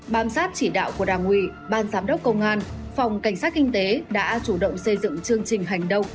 bám sát chỉ đạo của đảng ủy ban giám đốc công an phòng cảnh sát kinh tế đã chủ động xây dựng chương trình hành động